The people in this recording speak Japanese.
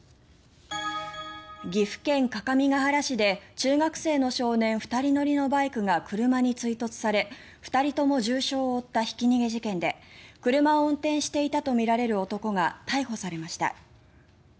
岐阜県各務原市で中学生の少年２人乗りのバイクが車に追突され２人とも重傷を負ったひき逃げ事件で車を運転していたとみられる男が逮捕されました。